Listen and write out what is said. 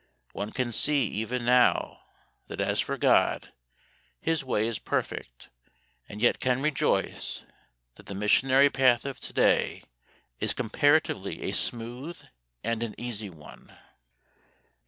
One can see, even now, that as for GOD, His way is perfect, and yet can rejoice that the missionary path of to day is comparatively a smooth and an easy one.